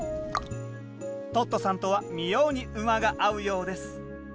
トットさんとは妙に馬が合うようです。